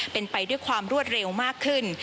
เป็นไปด้วยความรวดเร็วมากขึ้น